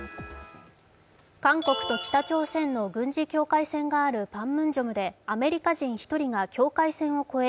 韓国と北朝鮮の軍事境界線があるパンムンジョムでアメリカ人１人が境界線を超え